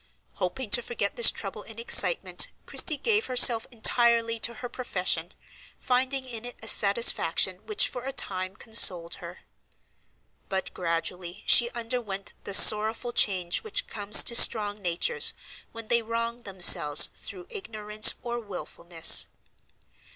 Hoping to forget this trouble in excitement Christie gave herself entirely to her profession, finding in it a satisfaction which for a time consoled her. But gradually she underwent the sorrowful change which comes to strong natures when they wrong themselves through ignorance or wilfulness.